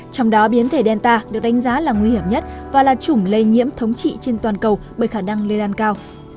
trong đó biến thể delta được đánh giá là nguy hiểm nhất và là chủng lây nhiễm thống trị trên toàn cầu bởi khả năng lây lan cao